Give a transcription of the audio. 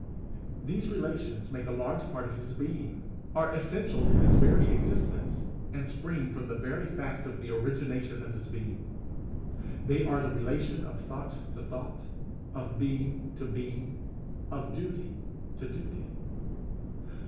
These relations make a large part of his being, are essential to his very existence, and spring from the very facts of the origination of his being. They are the relation of thought to thought, of being to being, of duty to duty.